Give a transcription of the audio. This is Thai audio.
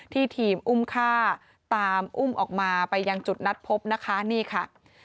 ทีมอุ้มฆ่าตามอุ้มออกมาไปยังจุดนัดพบนะคะนี่ค่ะ